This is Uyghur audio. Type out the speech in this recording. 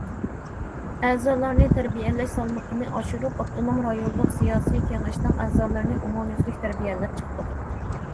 ئەزالارنى تەربىيەلەش سالمىقىنى ئاشۇرۇپ، ئاپتونوم رايونلۇق سىياسىي كېڭەشنىڭ ئەزالىرىنى ئومۇميۈزلۈك تەربىيەلەپ چىقتۇق.